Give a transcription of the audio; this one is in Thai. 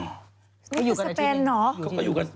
นี่คือสเปนหรอ